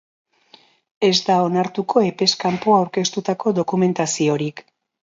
Ez da onartuko epez kanpo aurkeztutako dokumentaziorik.